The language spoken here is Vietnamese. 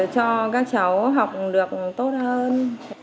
cho các cháu học được tốt hơn